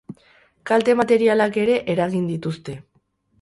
Kalte materialak ere eragin dituzte.